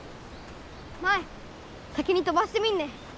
舞先に飛ばしてみんね。